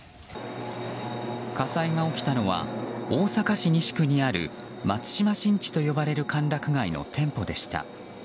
火災が起きたのは大阪市西区にある松島新地と呼ばれる歓楽街の店舗でした。